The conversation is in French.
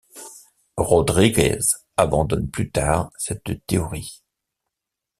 Rodriguez abandonne plus tard cette théorie.